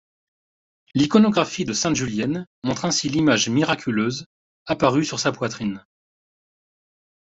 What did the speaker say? L'iconographie de Sainte Julienne montre ainsi l'image miraculeuse apparue sur sa poitrine.